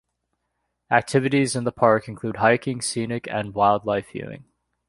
Activities in the park include hiking, scenic and wildlife viewing.